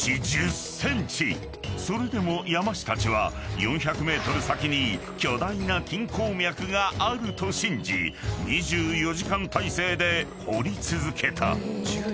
［それでも山師たちは４００ｍ先に巨大な金鉱脈があると信じ２４時間体制で掘り続けた］